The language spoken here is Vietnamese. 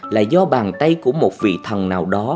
là do bàn tay của một vị thần nào đó